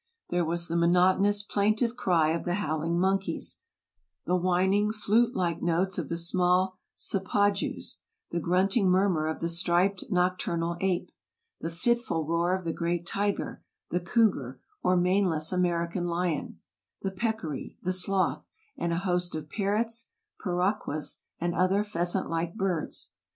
There was the monotonous, plaintive cry of the howling monkeys, the whining, flute like notes of the small sapajous, the grunting murmur of the striped nocturnal ape, the fitful roar of the great tiger, the cougar, or maneless American lion, the peccary, the sloth, and a host of parrots, parraquas, and other pheasant like birds.